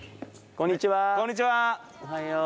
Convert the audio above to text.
こんにちは。